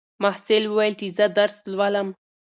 محصل وویل چې زه درس لولم.